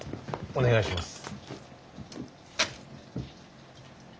お願いします。